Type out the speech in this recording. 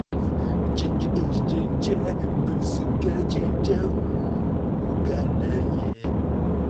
Jinja is in Jinja District, Busoga sub-region, in the Eastern Region of Uganda.